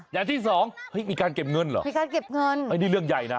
อย่างที่สองเฮ้ยมีการเก็บเงินเหรอมีการเก็บเงินอันนี้เรื่องใหญ่นะ